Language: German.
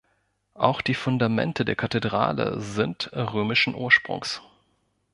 Auch die Fundamente der Kathedrale sind römischen Ursprungs.